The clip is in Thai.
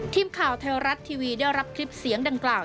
ทีมข่าวไทยรัฐทีวีได้รับคลิปเสียงดังกล่าว